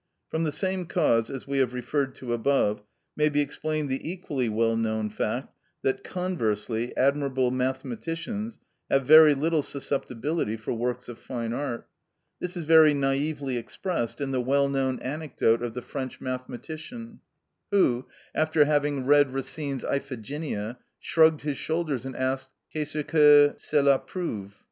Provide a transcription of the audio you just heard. From the same cause as we have referred to above, may be explained the equally well known fact that, conversely, admirable mathematicians have very little susceptibility for works of fine art. This is very naïvely expressed in the well known anecdote of the French mathematician, who, after having read Racine's "Iphigenia," shrugged his shoulders and asked, "_Qu'est ce que cela prouve?